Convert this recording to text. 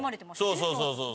そうそうそうそう。